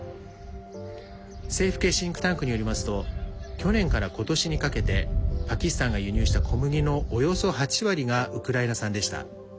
政府系シンクタンクによりますと去年からことしにかけてパキスタンが輸入した小麦のおよそ８割がウクライナ産でした。